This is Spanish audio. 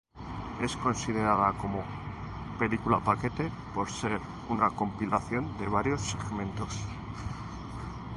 Es considerada como "película-paquete" por ser una compilación de varios segmentos.